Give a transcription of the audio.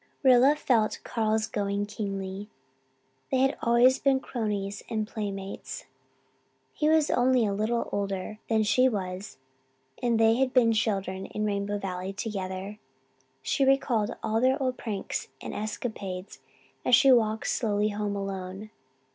Rilla felt Carl's going keenly. They had always been cronies and playmates. He was only a little older than she was and they had been children in Rainbow Valley together. She recalled all their old pranks and escapades as she walked slowly home alone.